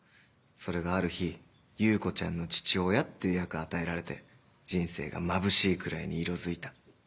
それがある日優子ちゃんの父親っていう役与えられて人生がまぶしいくらいに色づいた。